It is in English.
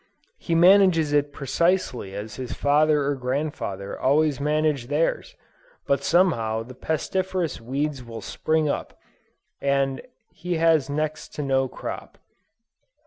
He manages it precisely as his father or grandfather always managed theirs, but somehow the pestiferous weeds will spring up, and he has next to no crop.